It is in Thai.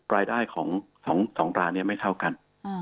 รายได้ของ๒ร้านนี้ไม่เท่ากัน